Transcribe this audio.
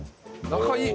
仲いい。